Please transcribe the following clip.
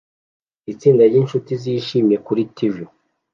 Itsinda ryinshuti zishimye kuri TV